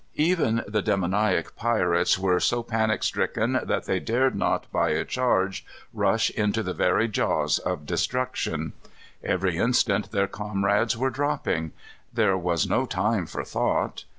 Even the demoniac pirates were so panic stricken that they dared not by a charge rush into the very jaws of destruction. Every instant their comrades were dropping. There was no time for thought.